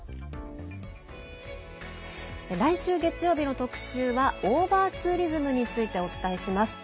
来週月曜日の特集はオーバーツーリズムについてお伝えします。